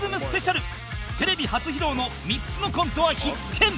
テレビ初披露の３つのコントは必見！